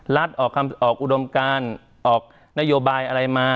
รัฐออกอุดมการออกนโยบายอะไรมา